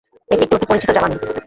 এটি একটি অতি পরিচিত জ্বালানি।